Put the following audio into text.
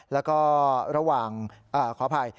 แล้วก็ระหว่างขออภัย